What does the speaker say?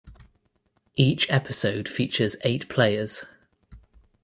Each episode features eight players.